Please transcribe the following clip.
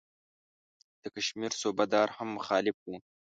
د کشمیر صوبه دار هم مخالف وو.